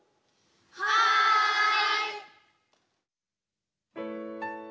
はい！